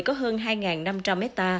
có hơn hai năm trăm linh hectare